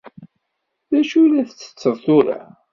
D acu i la tettetteḍ tura?